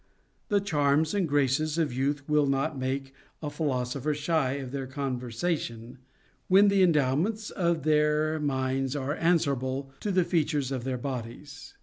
The charms and graces of youth will not make a philosopher shy of their conversation, when the endowments of their minds are answerable to the features of their bodies.